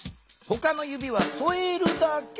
ほかのゆびはそえるだけ。